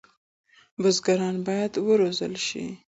بزګران باید وروزل شي.